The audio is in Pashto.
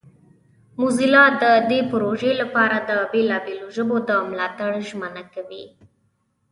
موزیلا د دې پروژې لپاره د بیلابیلو ژبو د ملاتړ ژمنه کوي.